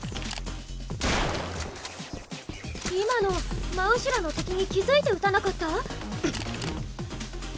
今の真後ろの敵に気づいて撃たなかった？